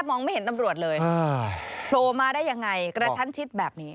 โพสต์มาได้อย่างไรกระทันชิดแบบนี้